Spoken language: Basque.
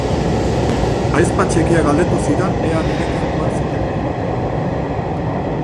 Ahizpa txikiak galdetu zidan ea nirekin joan zitekeen.